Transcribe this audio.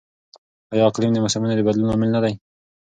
آیا اقلیم د موسمونو د بدلون لامل نه دی؟